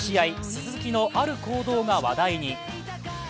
鈴木のある行動が話題に。